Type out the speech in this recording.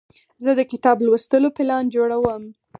زه د کتاب لوستلو پلان جوړوم.